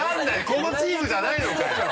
このチームじゃないのかよ